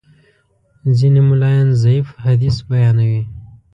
ځینې ملایان ضعیف حدیث بیانوي.